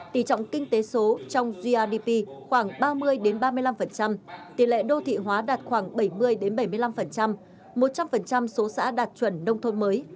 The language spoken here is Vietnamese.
tỷ trọng kinh tế số trong grdp khoảng ba mươi ba mươi năm tỷ lệ đô thị hóa đạt khoảng bảy mươi bảy mươi năm một trăm linh số xã đạt chuẩn nông thôn mới